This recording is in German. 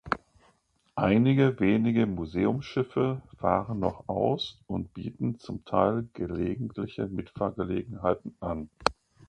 Einige wenige Museumsschiffe fahren noch aus und bieten zum Teil gelegentliche Mitfahrgelegenheiten an.